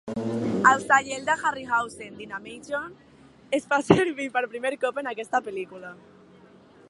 El segell de Harryhausen, "Dynamation", es va fer servir per primer cop en aquesta pel·lícula.